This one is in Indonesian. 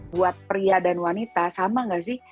buat pria dan wanita sama nggak sih